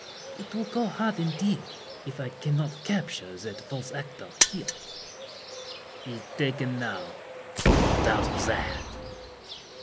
It will go hard, indeed, If I can't capture that false actor here. He's taken now—no doubt of that!